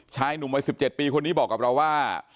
ชายหนุ่มวัย๑๗ปีคนนี้บอกกับเราว่า